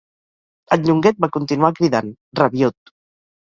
El Llonguet va continuar cridant, rabiüt.